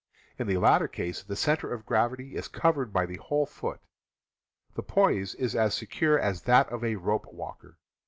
In the latter case the center of gravity is covered by the whole foot. The poise is as secure as that of a rope walker.